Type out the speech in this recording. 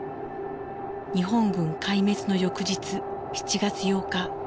日本軍壊滅の翌日７月８日。